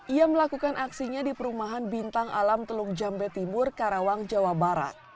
ia melakukan aksinya di perumahan bintang alam teluk jambe timur karawang jawa barat